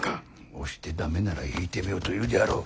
「押して駄目なら引いてみよ」と言うであろう？